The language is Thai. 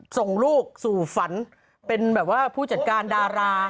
ส่งลูกสู่ฝันเป็นแบบว่าผู้จัดการดารา